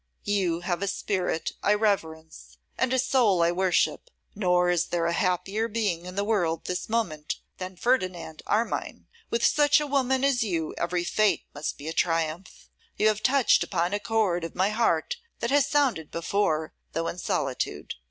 'You have a spirit I reverence, and a soul I worship, nor is there a happier being in the world this moment than Ferdinand Armine. With such a woman as you every fate must be a triumph. You have touched upon a chord of my heart that has sounded before, though in solitude.